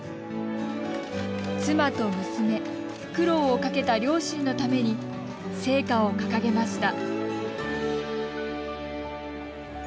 妻と娘、苦労をかけた両親のために聖火を掲げました。